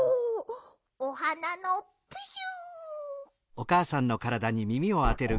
おはなのプシュ。